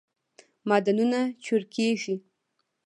معدنونه چورکیږی